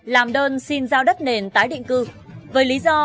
làm đơn xin giao đất nền tái định cư với lý do bị giải tỏa trắng